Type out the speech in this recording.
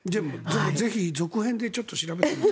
ぜひ、続編でちょっと調べてみて。